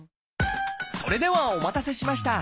それではお待たせしました！